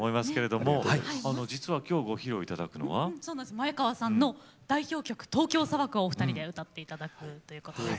前川さんの代表曲「東京砂漠」をお二人で歌って頂くということです。